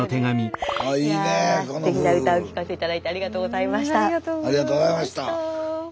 すてきな歌をお聴かせ頂いてありがとうございました。